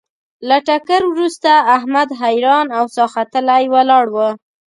له ټکر ورسته احمد حیران او ساه ختلی ولاړ و.